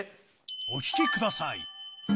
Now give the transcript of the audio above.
お聴きください。